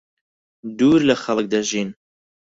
دوور لەخەڵک دەژین.